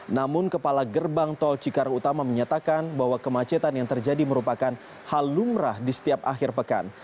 namun kepala gerbang tol cikarang utama menyatakan bahwa kemacetan yang terjadi merupakan hal lumrah di setiap akhir pekan